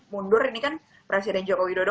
mundur ini kan presiden jokowi doa